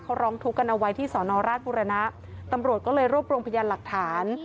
เขาร้องทุกข์กันเอาไว้ที่สอนอราชบุรณะตำรวจก็เลยรวบรวมพยานหลักฐาน